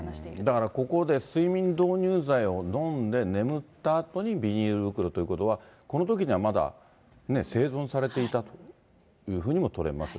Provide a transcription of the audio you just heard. だからここで、睡眠導入剤を飲んで眠ったあとにビニール袋ということは、このときにはまだ生存されていたというふうにも取れます。